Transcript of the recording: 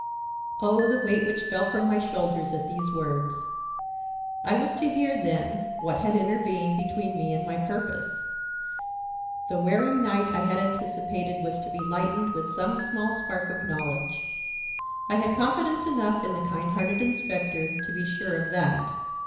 Oh, the weight which fell from my shoulders at these words! I was to hear, then, what had intervened between me and my purpose. The wearing night I had anticipated was to be lightened with some small spark of knowledge. I had confidence enough in the kind hearted inspector to be sure of that.